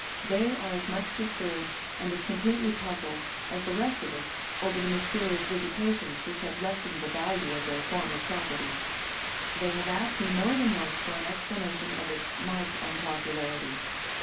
"They are as much disturbed and as completely puzzled as the rest of us over the mysterious visitations which have lessened the value of their former property. They have asked me more than once for an explanation of its marked unpopularity.